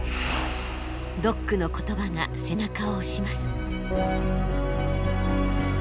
ドックの言葉が背中を押します。